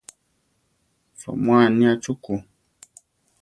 Soʼmúa aniá chukú.